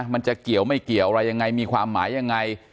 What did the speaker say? มันจะเกี่ยวไม่เกี่ยวอะไรยังไงมีความหมายยังไง